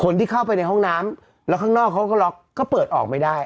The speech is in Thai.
คนที่เข้าไปในห้องน้ำแล้วข้างนอกเขาก็ล็อกก็เปิดออกไม่ได้